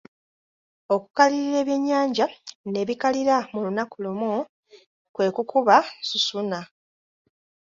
Okukalirira ebyennyanja ne bikalira mu lunaku lumu kwe kukuba susuna.